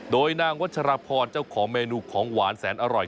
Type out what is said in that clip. โดยนางวัชรพรเจ้าของเมนูของหวานแสนอร่อย